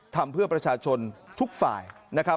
ทำเพื่อประชาชนทุกฝ่ายนะครับ